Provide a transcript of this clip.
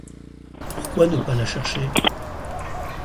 Pourquoi ne pas la chercher ?…